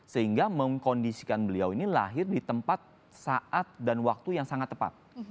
sehingga mengkondisikan beliau ini lahir di tempat saat dan waktu yang sangat tepat